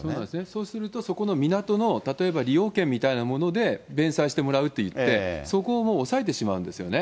そうすると、そこの港の利用権みたいなもので弁済してもらうっていって、そこをもう押さえてしまうんですよね。